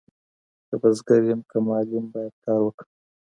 که بزګر يم که معلم بايد کار وکړم.